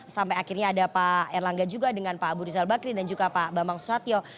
sampai akhirnya ada pak erlangga juga dengan pak abu rizal bakri dan juga pak bambang susatyo